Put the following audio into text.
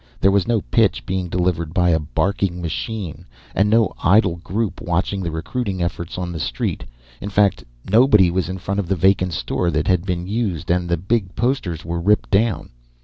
There was no pitch being delivered by a barking machine, and no idle group watching the recruiting efforts on the street. In fact, nobody was in front of the vacant store that had been used, and the big posters were ripped down.